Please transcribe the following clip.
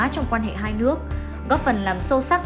trong quan hệ hai nước góp phần làm sâu sắc